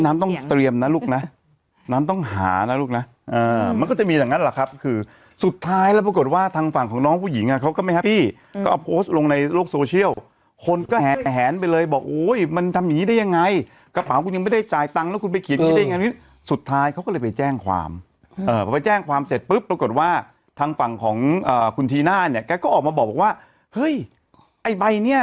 น้ำต้องหานะลูกนะน้ำต้องหานะลูกนะน้ำต้องหานะลูกนะน้ำต้องหานะลูกนะน้ำต้องหานะลูกนะน้ำต้องหานะลูกนะน้ำต้องหานะลูกนะน้ำต้องหานะลูกนะน้ำต้องหานะลูกนะน้ำต้องหานะลูกนะน้ำต้องหานะลูกนะน้ำต้องหานะลูกนะน้ำต้องหานะลูกนะน้ำต้องหานะลูกนะน้ำต้องหานะลูกนะน้ำต้องหานะลูกนะน้ำต้องหานะลูกนะ